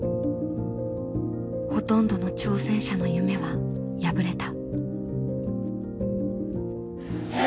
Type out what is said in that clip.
ほとんどの挑戦者の夢は破れた。